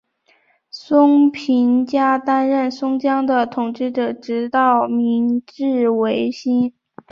松平家担任松江的统治者直到明治维新。